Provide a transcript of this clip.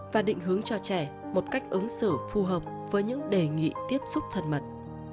và định hướng cho trẻ một cách ứng xử phù hợp với những đề nghị tiếp xúc thân mật